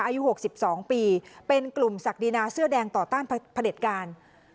อายุหกสิบสองปีเป็นกลุ่มศักดินาเสื้อแดงต่อต้านพระเด็จการ